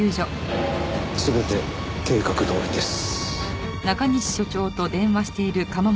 全て計画どおりです。